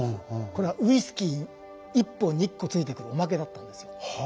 これはウイスキー１本に１個ついてくるおまけだったんですよ。